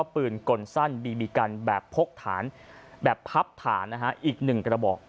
ปืนกลสั้นบีบีกันแบบพกฐานแบบพับฐานอีก๑กระบอก